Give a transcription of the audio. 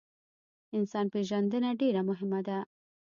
انسان پیژندنه ډیره مهمه ده